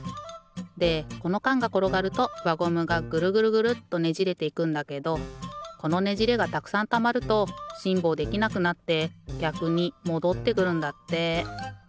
でこのかんがころがるとわゴムがぐるぐるぐるっとねじれていくんだけどこのねじれがたくさんたまるとしんぼうできなくなってぎゃくにもどってくるんだって。